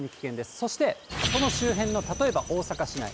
そしてその周辺の、例えば大阪市内。